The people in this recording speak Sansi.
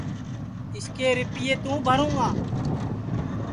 اِس کے رِیپئے توں بھروں گا